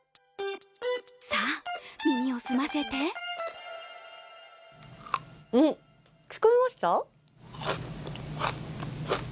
さあ、耳を澄ませて聞こえました？